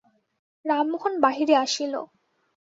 রামমোহন বাহিরে আসিল।